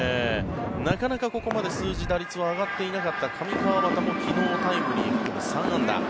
なかなかここまで数字、打率は上がっていなかった上川畑も昨日タイムリーを含む３安打。